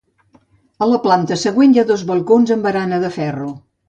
A la planta següent hi ha dos balcons amb barana de ferro.